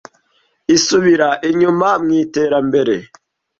isubira inyuma mu iterambere.